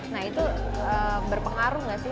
nah itu berpengaruh nggak sih